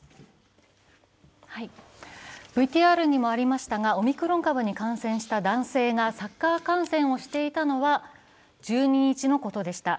ＶＴＲにもありましたが、オミクロン株に感染した男性がサッカー観戦をしていたのは１２日のことでした。